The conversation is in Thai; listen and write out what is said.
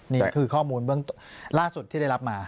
นี่คือข้อมูลล่าสุดที่ได้รับมา